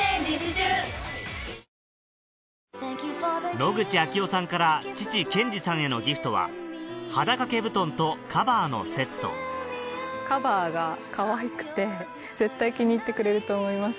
野口啓代さんから父・健司さんへのギフトは肌掛け布団とカバーのセットカバーがかわいくて絶対気に入ってくれると思います。